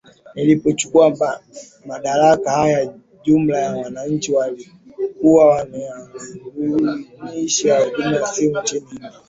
nilipochukua madaraka haya jumla ya wananchi waliokuwa wanaunganisha na huduma ya simu nchini india